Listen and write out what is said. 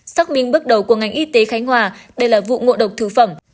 xác minh bước đầu của ngành y tế khánh hòa đây là vụ ngộ độc thực phẩm